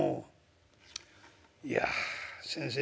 「いや先生